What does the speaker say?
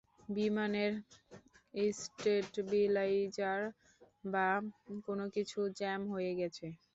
বিমানের স্টেবিলাইজার বা কোনো কিছু জ্যাম হয়ে গেছে।